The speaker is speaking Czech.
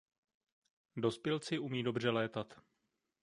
Dospělci umí dobře létat.